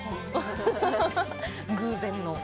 偶然の。